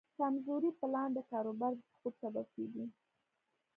کمزوری پلان د کاروبار د سقوط سبب کېږي.